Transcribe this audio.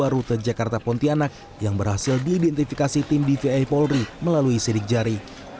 rute jakarta pontianak yang berhasil diidentifikasi tim dvi polri melalui sidik jari